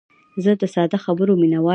زه د ساده خبرو مینوال یم.